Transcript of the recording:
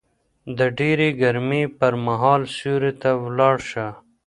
د ډېرې ګرمۍ پر مهال سيوري ته ولاړ شه